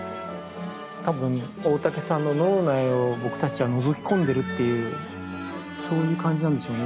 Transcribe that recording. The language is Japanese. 多分大竹さんの脳内を僕たちはのぞき込んでるっていうそういう感じなんでしょうね